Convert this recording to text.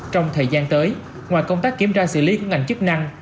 trong thời gian tới ngoài công tác kiểm tra xử lý của ngành chức năng